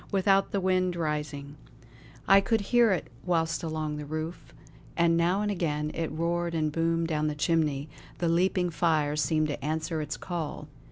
Without, the wind was rising. I could hear it whistle along the roof, and now and again it roared and boomed down the chimney; the leaping fire seemed to answer its call.